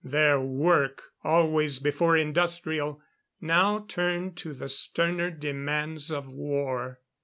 Their work always before industrial now turned to the sterner demands of war.